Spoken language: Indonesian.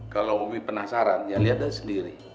kalau umi penasaran ya liat dia sendiri